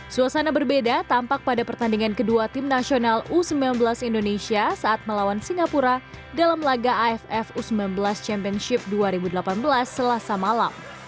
suasana berbeda tampak pada pertandingan kedua tim nasional u sembilan belas indonesia saat melawan singapura dalam laga aff u sembilan belas championship dua ribu delapan belas selasa malam